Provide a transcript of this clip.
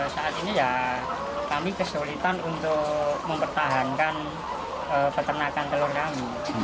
saat ini ya kami kesulitan untuk mempertahankan peternakan telur kami